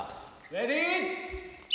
レディー。